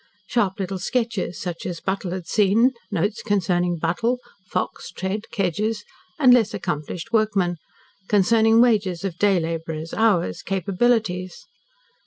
Sharp little sketches, such as Buttle had seen, notes concerning Buttle, Fox, Tread, Kedgers, and less accomplished workmen; concerning wages of day labourers, hours, capabilities.